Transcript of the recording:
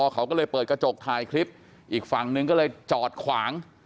เขาก็เลยเปิดกระจกถ่ายคลิปอีกฝั่งนึงก็เลยจอดขวาง